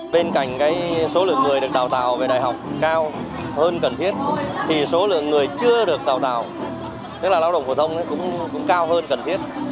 bên cạnh số lượng người được đào tạo về đại học cao hơn cần thiết thì số lượng người chưa được đào tạo tức là lao động phổ thông cũng cao hơn cần thiết